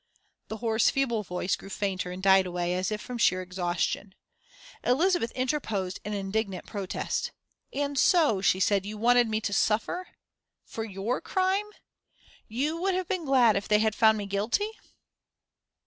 The hoarse, feeble voice grew fainter and died away, as if from sheer exhaustion. Elizabeth interposed an indignant protest. "And so," she said, "you wanted me to suffer for your crime? You would have been glad if they had found me guilty?"